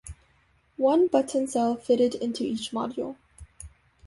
One button cell fitted into each module.